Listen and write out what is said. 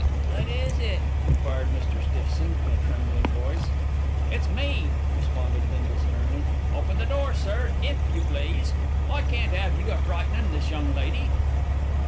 "What is it?" inquired Mr. Stiffson in a trembling voice. "It's me," responded Bindle sternly. "Open the door, sir, if you please. I can't 'ave you a frightening this young lady."